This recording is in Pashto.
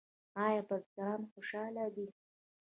آیا بزګران خوشحاله دي؟